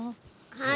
はい。